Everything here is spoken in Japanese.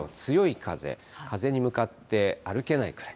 風に向かって歩けないぐらい。